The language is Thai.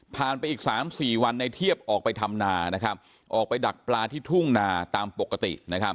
ไปอีก๓๔วันในเทียบออกไปทำนาออกไปดักปลาที่ทุ่งนาตามปกติ